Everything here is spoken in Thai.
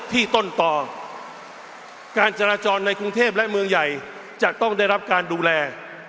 ที่ต้นต่อการจราจรในกรุงเทพและเมืองใหญ่จะต้องได้รับการดูแล